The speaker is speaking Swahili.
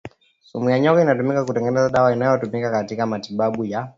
sumu ya nyoka inatumika kutengeneza dawa inayotumika katika matibabu ya